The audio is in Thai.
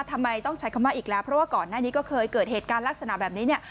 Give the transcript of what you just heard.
ทำไมต้องใช้คำว่าอีกแล้วเพราะว่าก่อนหน้านี้ก็เคยเกิดเหตุการณ์ลักษณะแบบนี้เนี่ย